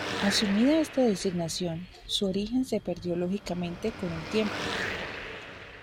Asumida esta designación, su origen se perdió lógicamente con el tiempo.